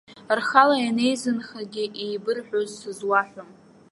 Рхала ианеизынхагьы еибырҳәоз сызуаҳәом.